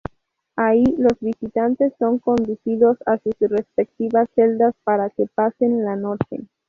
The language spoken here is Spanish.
Ahí los visitantes son conducidos a sus respectivas celdas para que pasen la noche.